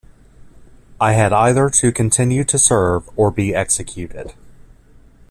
I had either to continue to serve or be executed.